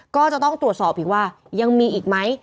ก็จะต้องตรวจสอบอีกว่ายังมีอีกไหม